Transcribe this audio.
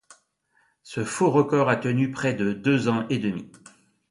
Ce faux record a tenu près de deux ans et demi.